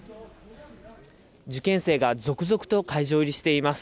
受験生が続々と会場入りしています。